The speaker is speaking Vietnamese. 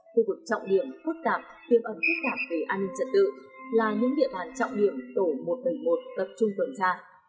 khu vực trọng điểm phức tạp tiềm ẩn phức tạp về an ninh trật tự là những địa bàn trọng điểm tổ một trăm bảy mươi một tập trung tuần tra